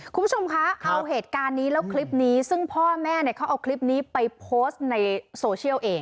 คุณผู้ชมคะเอาเหตุการณ์นี้แล้วคลิปนี้ซึ่งพ่อแม่เนี่ยเขาเอาคลิปนี้ไปโพสต์ในโซเชียลเอง